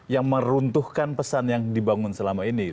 yang meruntuhkan pesan yang dibangun selama ini